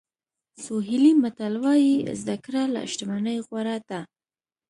سوهیلي متل وایي زده کړه له شتمنۍ غوره ده.